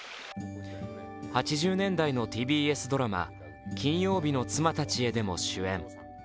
８０年代のＴＢＳドラマ「金曜日の妻たちへ」でも主演。